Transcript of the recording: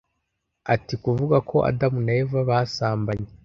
Ati “Kuvuga ko Adamu na Eva basambanye